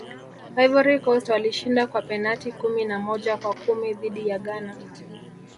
ivory coast walishinda kwa penati kumi na moja kwa kumi dhidi ya ghana